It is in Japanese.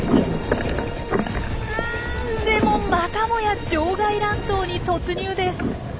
うんでもまたもや場外乱闘に突入です。